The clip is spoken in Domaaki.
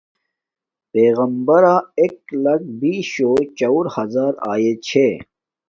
پݵغمبرݳ ݳݵک لݳکݸ بیشݸ چَݸُر ہزݳر آئݺ چھݺ.